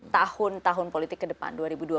tahun tahun politik ke depan